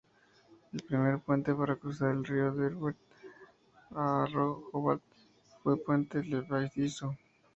El primer puente para cruzar el río Derwent a Hobart fue un puente levadizo.